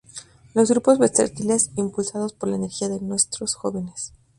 Los grupos versátiles impulsados por la energía de nuestros jóvenes.